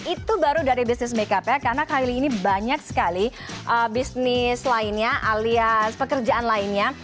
itu baru dari bisnis makeup ya karena kylie ini banyak sekali bisnis lainnya alias pekerjaan lainnya